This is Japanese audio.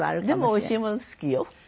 でもおいしいもの好きよ。